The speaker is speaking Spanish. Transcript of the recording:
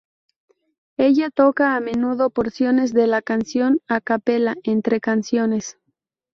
Ella toca a menudo porciones de la canción a cappella entre canciones.